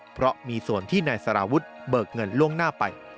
เพราะมีส่วนที่นายสารวุฒิเบิกเงินล่วงหน้าไป